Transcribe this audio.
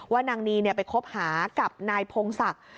นางนีไปคบหากับนายพงศักดิ์